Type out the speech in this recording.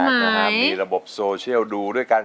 นะฮะมีระบบโซเชียลดูด้วยกัน